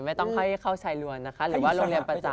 ไม่ต้องค่อยเข้าชายรวนนะคะหรือว่าโรงเรียนประจำ